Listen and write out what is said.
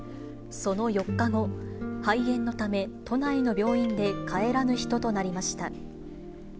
その４日後、肺炎のため、都内の病院で帰らぬ人となりました。